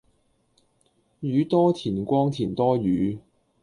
宇多田光田多雨